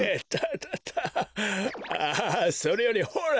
ああそれよりほら！